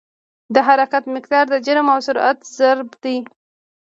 د حرکت مقدار د جرم او سرعت ضرب دی.